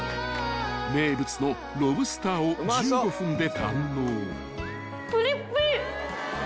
［名物のロブスターを１５分で堪能］